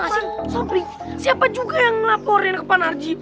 siapa juga yang ngelaporin ke panarji